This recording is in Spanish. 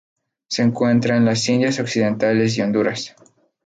Se encuentra en las Indias Occidentales y Honduras.